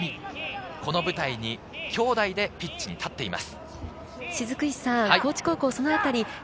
この舞台に兄弟でピッチに立っています。